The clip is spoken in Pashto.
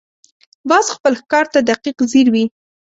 باز خپل ښکار ته دقیق ځیر وي